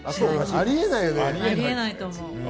ありえないと思う。